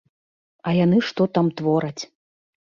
А яны што там твораць.